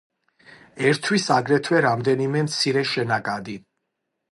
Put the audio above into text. ერთვის აგრეთვე რამდენიმე მცირე შენაკადი.